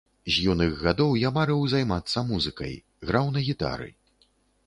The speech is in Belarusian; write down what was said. З юных гадоў я марыў займацца музыкай, граў на гітары.